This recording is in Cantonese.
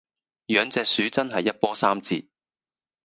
養隻鼠真係一波三折